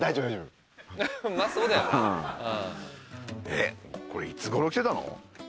えっこれいつ頃着てたの？